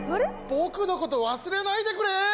僕のこと忘れないでくれ！